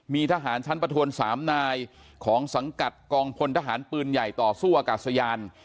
มีทหารชั้นประทวน๓นายของสังกัดกองพลทหารปืนใหญ่ต่อสู้อากาศยาน